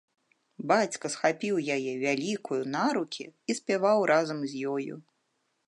Бацька схапіў яе, вялікую, на рукі і спяваў разам з ёю.